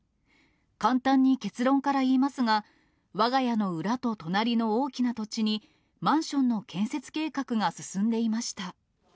簡単に結論から言いますが、わが家の裏と隣の大きな土地に、マンションの建設計画が進んでいました。